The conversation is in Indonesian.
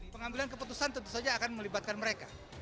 pengambilan keputusan tentu saja akan melibatkan mereka